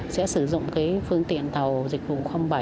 sẽ sử dụng phương tiện tàu dịch vụ bảy